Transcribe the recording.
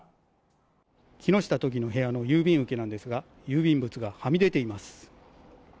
木下都議の部屋の郵便受けなんですが、郵便物がはみ出ています。